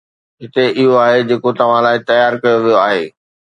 هتي اهو آهي جيڪو توهان لاء تيار ڪيو ويو آهي